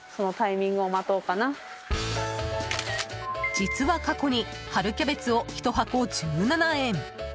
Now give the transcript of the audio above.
実は過去に春キャベツを１箱１７円